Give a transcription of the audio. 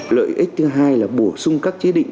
lợi ích thứ hai là bổ sung các chế định